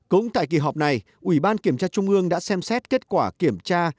năm cũng tại kỳ họp này ủy ban kiểm tra trung ương đã xem xét kết quả kiểm tra